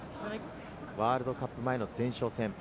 ワールドカップ前の前哨戦。